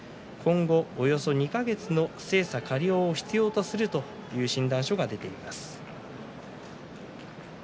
およそ２か月の精査、加療を必要とするという診断書が出ています。